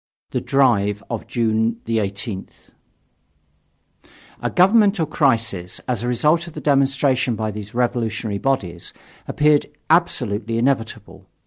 THE DRIVE OF JUNE 18TH A governmental crisis, as a result of the demonstration by these revolutionary bodies, appeared absolutely inevitable.